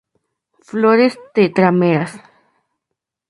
Flores tetrámeras.